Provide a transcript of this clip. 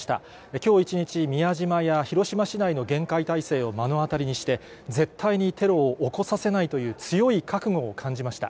きょう一日、宮島や広島市内の厳戒態勢を目の当たりにして、絶対にテロを起こさせないという強い覚悟を感じました。